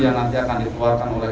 yang nanti akan dikeluarkan oleh